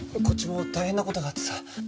こっちも大変な事があってさ。